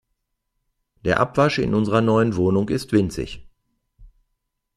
Der Abwasch in unserer neuen Wohnung ist winzig.